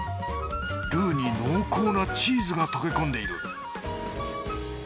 ルーに濃厚なチーズが溶け込んでいる。